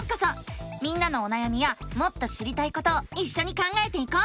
みんなのおなやみやもっと知りたいことをいっしょに考えていこう！